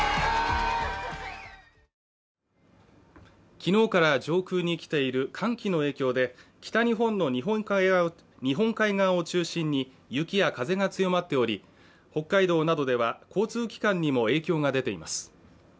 昨日から上空に来ている寒気の影響で北日本の日本海側を中心に雪や風が強まっており北海道などでは交通機関にも影響が出ています